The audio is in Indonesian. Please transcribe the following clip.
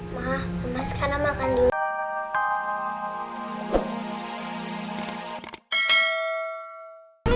ma mama sekarang makan dulu